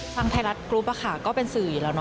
ทางไทยรัฐกรุ๊ปก็เป็นสื่ออยู่แล้วเน